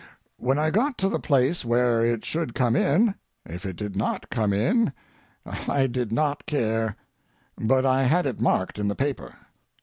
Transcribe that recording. When I got to the place where it should come in, if it did not come in I did not care, but I had it marked in the paper.